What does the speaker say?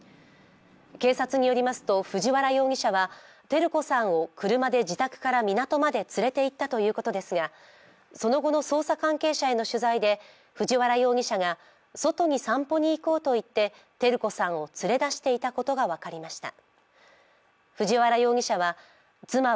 警察によりますと藤原容疑者は照子さんを車で自宅から港まで連れて行ったということですがその後の捜査関係者への取材で藤原容疑者が外に散歩に行こうと言って照子さんを連れ出していたことが分かりました。